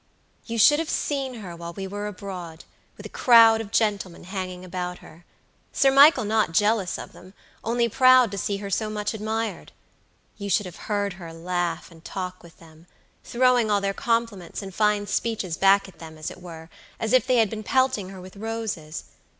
"You should have seen her while we were abroad, with a crowd of gentlemen hanging about her; Sir Michael not jealous of them, only proud to see her so much admired. You should have heard her laugh and talk with them; throwing all their compliments and fine speeches back at them, as it were, as if they had been pelting her with roses.